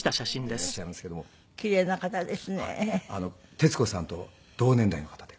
徹子さんと同年代の方で。